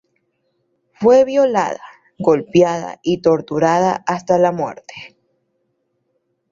Fue violada, golpeada y torturada hasta la muerte.